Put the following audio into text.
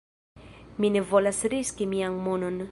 "Mi ne volas riski mian monon"